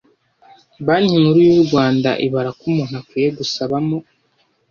Banki Nkuru y u Rwanda ibara ko umuntu akwiye gusabamo